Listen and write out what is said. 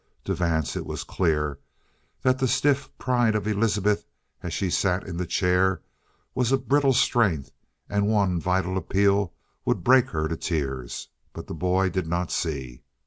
To Vance it was clear that the stiff pride of Elizabeth as she sat in the chair was a brittle strength, and one vital appeal would break her to tears. But the boy did not see.